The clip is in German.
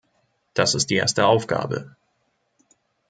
Das ist die erste Aufgabe.